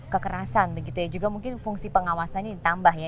kekerasan begitu ya juga mungkin fungsi pengawasannya ditambah ya